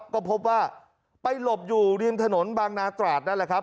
ก็พบว่าไปหลบอยู่ริมถนนบางนาตราดนั่นแหละครับ